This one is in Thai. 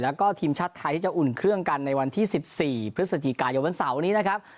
แล้วก็ทีมชาติไทยที่จะอุ่นเครื่องกันในวันที่๑๔พฤศจิกายนวันเสาร์นี้นะครับ